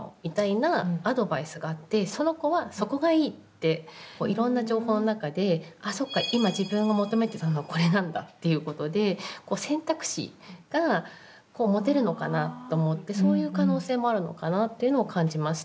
でそしたら何かこういろんな情報の中でそうか今自分が求めてたのはこれなんだっていうことで選択肢が持てるのかなと思ってそういう可能性もあるのかなっていうのを感じました。